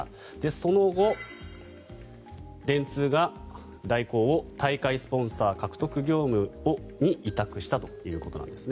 その後、電通が大広を大会スポンサー獲得業務に委託したということです。